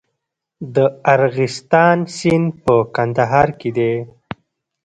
د ارغستان سیند په کندهار کې دی